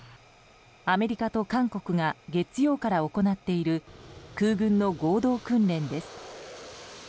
アメリカと韓国が月曜から行っている空軍の合同訓練です。